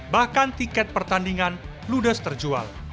bahkan tiket pertandingan ludes terjual